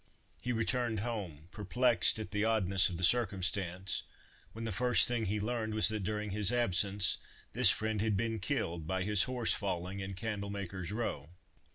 He returned home, perplexed at the oddness of the circumstance, when the first thing he learned was that during his absence this friend had been killed, by his horse falling, in Candlemaker's row.